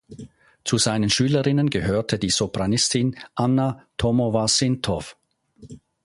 Zu seinen Schülerinnen gehörte die Sopranistin Anna Tomowa-Sintow.